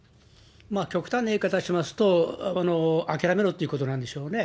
極端な言い方しますと、諦めろっていうことなんでしょうね。